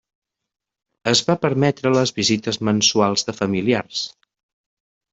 Es va permetre les visites mensuals de familiars.